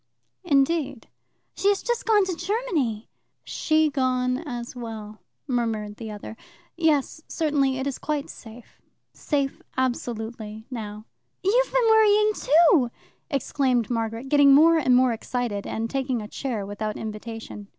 "Indeed?" "She has just gone to Germany." "She gone as well," murmured the other. "Yes, certainly, it is quite safe safe, absolutely, now." "You've been worrying too!" exclaimed Margaret, getting more and more excited, and taking a chair without invitation.